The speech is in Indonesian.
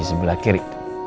di sebelah kiri